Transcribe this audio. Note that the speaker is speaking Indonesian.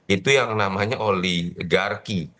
itu yang namanya oligarki